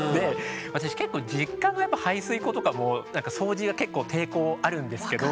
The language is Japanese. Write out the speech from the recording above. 私結構実家の排水溝とかも掃除が結構抵抗あるんですけど。